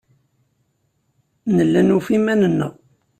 Nella nufa iman-nneɣ.